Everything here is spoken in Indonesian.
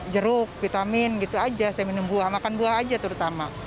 jeruk vitamin gitu aja saya minum buah makan buah aja terutama